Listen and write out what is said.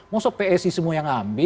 masa psi semua yang ambil